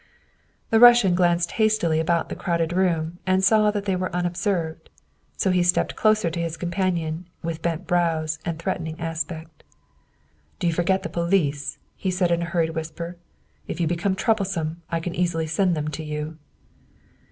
The Russian glanced hastily about the crowded room and saw they were unobserved, so he stepped closer to his companion with bent brows and threatening aspect. ' Do you forget the police?" he said in a hurried whisper. " If you become troublesome, I can easily send them to you."